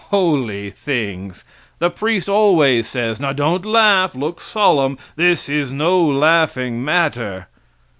Holy things! The priest always says: "Now don't laugh; look solemn; this is no laughing matter."